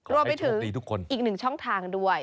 รวมไปถึงอีกหนึ่งช่องทางด้วย